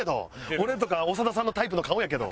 俺とか長田さんのタイプの顔やけど。